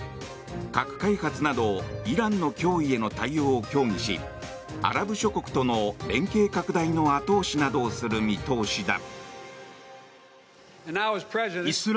核開発などイランの脅威への対応を協議しアラブ諸国との連携拡大の後押しなどをする見通しだ。